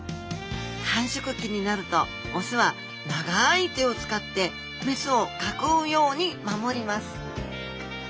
繁殖期になると雄は長い手を使って雌を囲うように守ります。